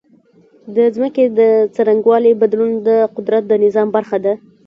د ځمکې د څرنګوالي بدلون د قدرت د نظام برخه ده.